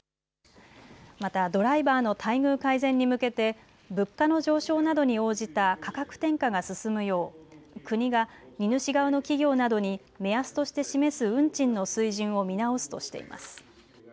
またドライバーの待遇改善に向けて物価の上昇などに応じた価格転嫁が進むよう国が荷主側の企業などに目安として示す運賃の水準を見直すとしています。